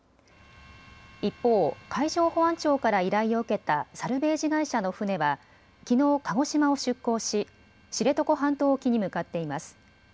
一方、海上保安庁から依頼を受けたサルベージ会社の船はきのう鹿児島を出港し知床半島沖に向かっています。